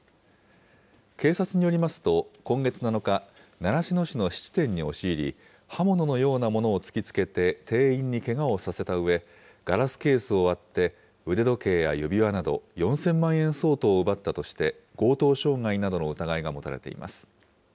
警察によりますと、今月７日、習志野市の質店に押し入り、刃物のようなものを突きつけて、店員にけがをさせたうえ、ガラスケースを割って、腕時計や指輪など４０００万円相当を奪ったとして、強盗傷害などの疑いが持たれています。